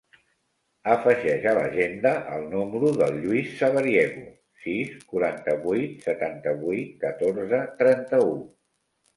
Afegeix a l'agenda el número del Lluís Sabariego: sis, quaranta-vuit, setanta-vuit, catorze, trenta-u.